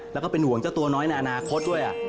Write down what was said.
แล้วก็เป็นห่วงเจ้าตัวน้อยในอนาคตด้วย